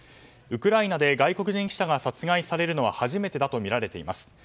ウクライナで外国人記者が殺害されるのは初めてだとみられています。